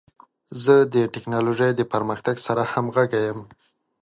زه د ټکنالوژۍ د پرمختګ سره همغږی یم.